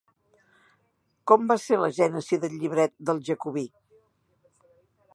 Com va ser la gènesi del llibret d'El jacobí?